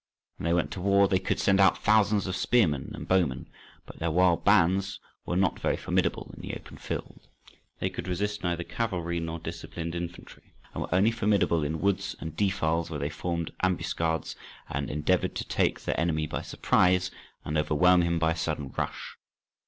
When they went to war they could send out thousands of spearmen and bowmen, but their wild bands were not very formidable in the open field. They could resist neither cavalry nor disciplined infantry, and were only formidable in woods and defiles, where they formed ambuscades and endeavoured to take their enemy by surprise, and overwhelm him by a sudden rush.